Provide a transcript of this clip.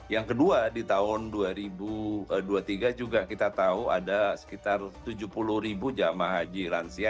yang kedua di tahun dua ribu dua puluh tiga juga kita tahu ada sekitar tujuh puluh ribu jamaah haji lansia